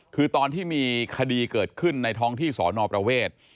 คือตอนที่มีคดีเกิดขึ้นในท้องที่สอนอประเวท